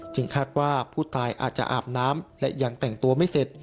คาดว่าผู้ตายอาจจะอาบน้ำและยังแต่งตัวไม่เสร็จ